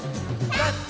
タッチ。